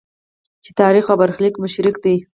چې تاریخ او برخلیک مو شریک دی.